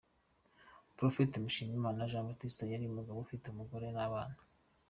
Prophet Mushinzimana Jean Baptiste yari umugabo ufite umugore n’abana.